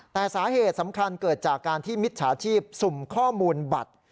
แต่สาเหตุสำคัญเกิดจากการที่มิจฉาชีพสุ่มข้อมูลบัตร